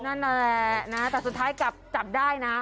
นั่นแหละนะแต่สุดท้ายกลับจับได้นะ